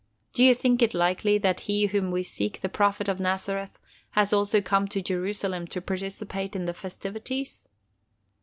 Do you think it likely that he whom we seek, the Prophet of Nazareth, has also come to Jerusalem to participate in the festivities?"